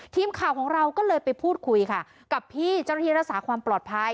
ทีมข่าวของเราก็เลยไปพูดคุยค่ะกับพี่เจ้าหน้าที่รักษาความปลอดภัย